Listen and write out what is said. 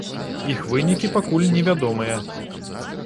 Іх вынікі пакуль невядомыя.